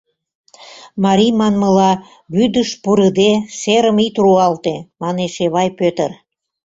Марий манмыла, вӱдыш пурыде, серым ит руалте, — манеш Эвай Пӧтыр.